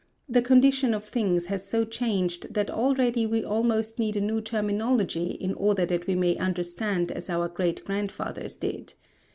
The condition of things has so changed that already we almost need a new terminology in order that we may understand as our great grandfathers did.